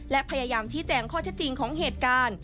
และพยายามชี้แจงข้อเท็จจริงของเหตุการณ์